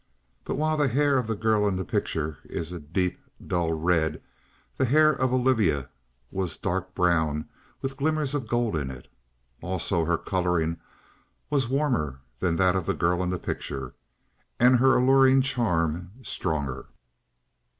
But while the hair of the girl in the picture is a deep, dull red, the hair of Olivia was dark brown with glimmers of gold in it. Also, her colouring was warmer than that of the girl in the picture, and her alluring charm stronger.